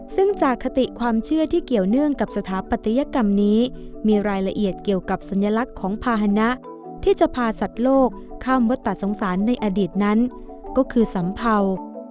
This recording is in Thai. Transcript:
ซึ่งจากคติความเชื่อที่เกี่ยวเนื่องกับสถาปัตยกรรมนี้มีรายละเอียดเกี่ยวกับสัญลักษณ์ของภาษณะที่จะพาสัตว์โลกข้ามวัตตสงสารในอดีตนั้นก็คือสัมเภา